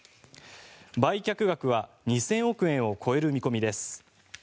売却額は２０００億円を超える見込みです。